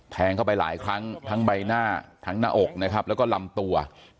แทงเข้าไปหลายครั้งทั้งใบหน้าทั้งหน้าอกนะครับแล้วก็ลำตัว